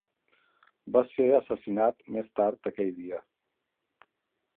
Va ser assassinat més tard aquell dia.